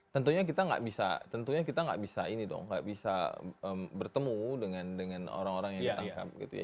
tentunya kita nggak bisa tentunya kita nggak bisa ini dong nggak bisa bertemu dengan orang orang yang ditangkap gitu ya